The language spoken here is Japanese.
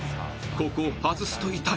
［ここを外すと痛い。